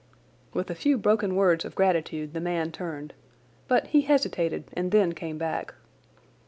With a few broken words of gratitude the man turned, but he hesitated and then came back.